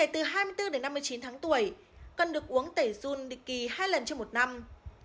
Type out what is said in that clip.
trẻ từ hai mươi bốn đến năm mươi chín tháng tuổi cần được uống tẩy run địch kỳ hai lần trong một năm